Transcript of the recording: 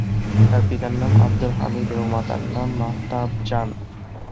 তার পিতার নাম আবদুল হামিদ এবং মাতার নাম মাহতাবজান।